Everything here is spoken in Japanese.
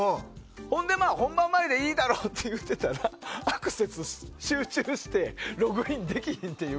ほんで、本番前でいいだろうって言うてたらアクセス集中してログインできひんっていう。